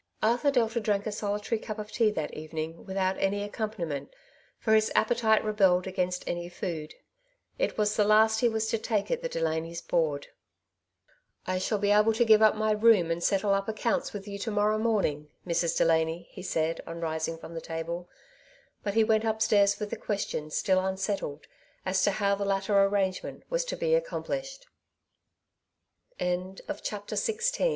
Arthur Delta drank a solitary cup of tea that evening without any accompaniment, for his appetite rebelled against food. It was the last he was to take at the Delanys' board. '^ I shall be able to give up my room and settle up accounts with you to morrow morning, Mrs. 184 " Two Sides to every Question. » Delany," he said on rising from the table^ but he went upstairs with the question still unsettled as to how the latter arrangement was to be a